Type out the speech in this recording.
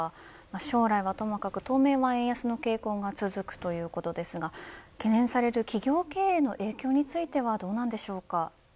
将来はともかく当面は円安の傾向が続くということですが懸念される企業経営への影響についてはどうなんでしょうか。